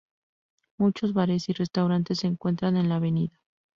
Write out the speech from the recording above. Muchos bares y restaurantes se encuentran en la avenida.